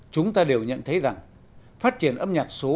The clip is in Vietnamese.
chúng ta đều nhận thấy rằng phát triển âm nhạc số